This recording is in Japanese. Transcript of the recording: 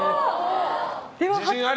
自信あり。